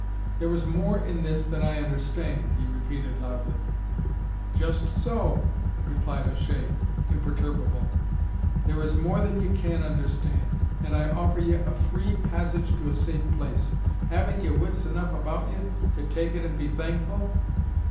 "There is more in this than I understand," he repeated loudly. "Just so," replied O'Shea, imperturbable; "there is more than ye can understand, and I offer ye a free passage to a safe place. Haven't ye wits enough about ye to take it and be thankful?"